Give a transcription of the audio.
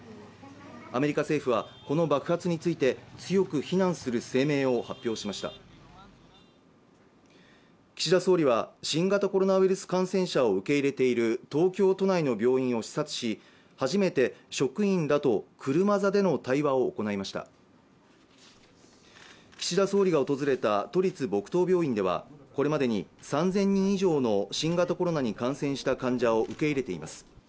アメリカ政府はこの爆発について強く非難する声明を発表しました岸田総理は新型コロナウイルス感染者を受け入れている東京都内の病院を視察し初めて職員だと車座での対話を行いました岸田総理が訪れた都立墨東病院ではこれまでに３０００人以上の新型コロナに感染した患者を受け入れています